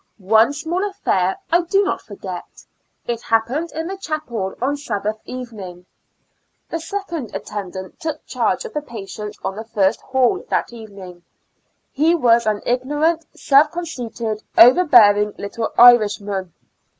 One small affair I do not forget; it hap pened in the chapel on Sabbath evening. The second attendant took charge of the patients on the first hall that evening. He was an ignorant, self conceited, over bearing little Irishman.